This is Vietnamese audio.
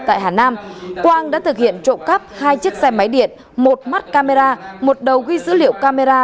tại hà nam quang đã thực hiện trộm cắp hai chiếc xe máy điện một mắt camera một đầu ghi dữ liệu camera